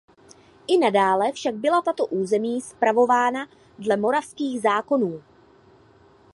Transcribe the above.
I nadále však byla tato území spravována dle moravských zákonů.